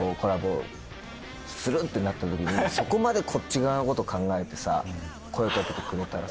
するってなった時にそこまでこっち側のこと考えてさ声掛けてくれたらさ